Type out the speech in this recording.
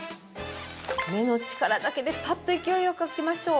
目の力だけでぱっと勢いよく開けましょう。